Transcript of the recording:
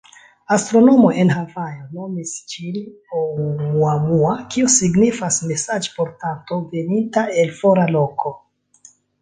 Astronomoj en Havajo nomis ĝin Oumuamua, kio signifas “mesaĝportanto veninta el fora loko”.